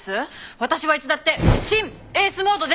私はいつだってシン・エースモードです！